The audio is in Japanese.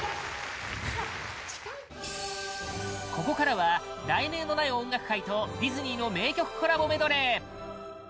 ここからは「題名のない音楽会」とディズニーの名曲コラボメドレー！